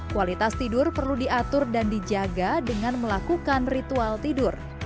kualitas tidur perlu diatur dan dijaga dengan melakukan ritual tidur